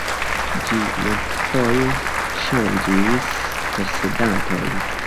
Ĝi multfoje ŝanĝis posedantojn.